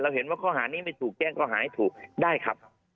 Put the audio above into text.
เห็นว่าข้อหานี้ไม่ถูกแจ้งข้อหาให้ถูกได้ครับ